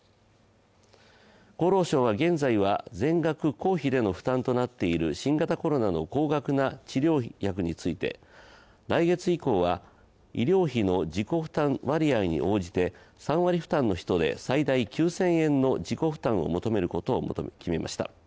厚労省は、現在は全額公費での負担となっている新型コロナの高額な治療薬について来月以降は医療費の自己負担割合に応じて３割負担の人で最大９０００円の自己負担を求めることを決めました。